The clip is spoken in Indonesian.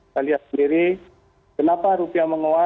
saya lihat sendiri kenapa rupiah menguat